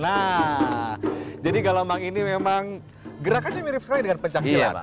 nah jadi galombang ini memang gerakannya mirip sekali dengan pencak silat